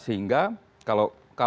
sehingga kalau dinilai apakah